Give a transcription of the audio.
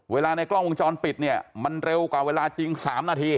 ในกล้องวงจรปิดเนี่ยมันเร็วกว่าเวลาจริง๓นาที